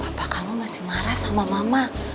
apa kamu masih marah sama mama